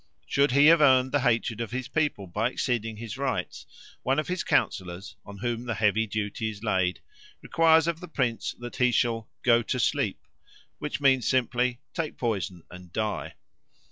Should he have earned the hatred of his people by exceeding his rights, one of his councillors, on whom the heavy duty is laid, requires of the prince that he shall 'go to sleep,' which means simply 'take poison and die.'